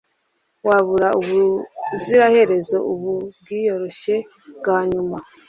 wabura, ubuziraherezo, ubu bwiyoroshye bwa nyuma